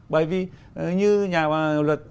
bởi vì như nhà luật